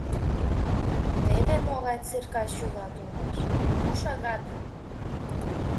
Теве могай циркач улат улмашПу шагатым!